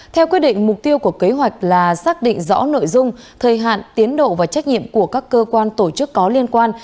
theo quyết định mục tiêu của kế hoạch là xác định rõ nội dung thời hạn tiến độ và trách nhiệm của các cơ quan tổ chức có liên quan